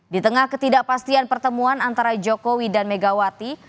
di tengah ketidakpastian pertemuan antara jokowi dan megawati